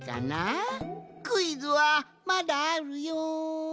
クイズはまだあるよん。